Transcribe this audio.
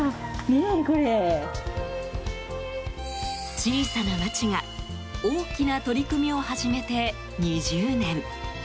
小さな町が大きな取り組みを始めて２０年。